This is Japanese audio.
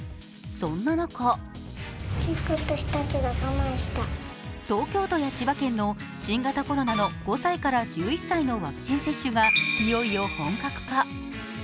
そんな中東京都や千葉県の新型コロナの５歳から１１歳のワクチン接種がいよいよ本格化。